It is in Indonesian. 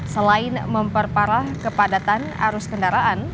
selain memperparah kepadatan arus kendaraan